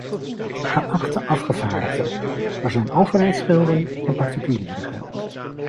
Geachte afgevaardigden, er zijn overheidsgelden en particuliere gelden.